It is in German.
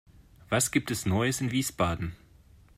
Was gibt es Neues in Wiesbaden?